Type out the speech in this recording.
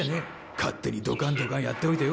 勝手にドカンドカンやっておいてよ。